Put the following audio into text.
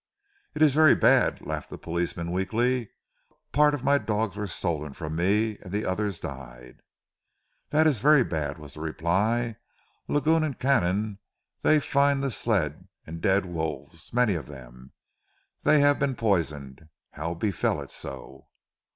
"It is very bad," laughed the policeman weakly. "But part of my dogs were stolen from me, and the others died." "Dat is vaire bad," was the reply. "Lagoun and Canim dey find ze sled, and dead wolves many of dem. Dey haf been poisoned. How befell it, so?"